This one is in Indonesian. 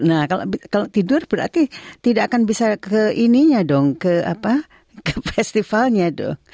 nah kalau tidur berarti tidak akan bisa ke festivalnya dong